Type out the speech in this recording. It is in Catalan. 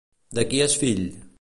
De qui és fill?